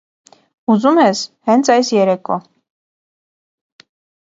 Ուզում ես՝ հենց այս երեկո: